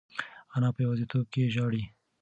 انا په یوازیتوب کې ژاړي.